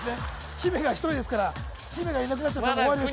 姫が１人ですから姫がいなくなったら終わりです